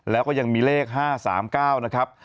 แล้วก็ยังมีเลข๕๓๙นะครับ